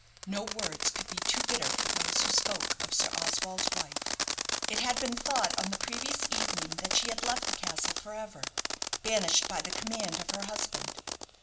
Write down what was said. No words could be too bitter for those who spoke of Sir Oswald's wife. It had been thought on the previous evening that she had left the castle for ever, banished by the command of her husband.